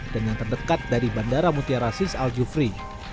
dan yang terdekat dari bandara mutia rasis al jufri